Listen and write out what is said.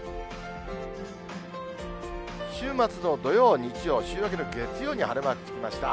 週末の土曜、日曜、週明けの月曜に晴れマークつきました。